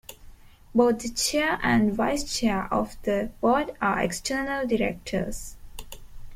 Both the Chair and Vice-Chair of the Board are external directors.